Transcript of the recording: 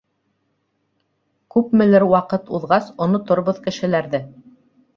— Күпмелер ваҡыт уҙғас оноторбоҙ кешеләрҙе.